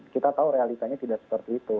kita tahu realitanya tidak seperti itu